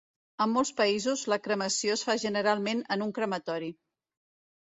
En molts països, la cremació es fa generalment en un crematori.